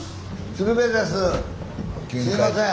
すいません。